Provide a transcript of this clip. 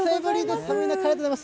寒い中ありがとうございます。